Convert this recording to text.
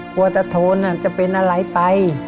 กลัวจะถูนจะเป็นอะไรไป